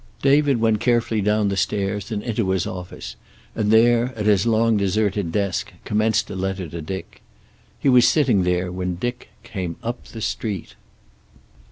David went carefully down the stairs and into his office, and there, at his long deserted desk, commenced a letter to Dick. He was sitting there when Dick came up the street...